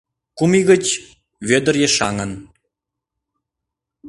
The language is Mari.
Кум ий гыч Вӧдыр ешаҥын.